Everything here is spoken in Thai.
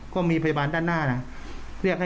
ก็มีพยาบาลด้านหน้านะ